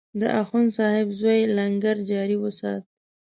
د اخندصاحب زوی لنګر جاري وسات.